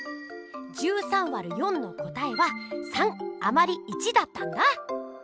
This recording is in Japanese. １３÷４の答えは３あまり１だったんだ！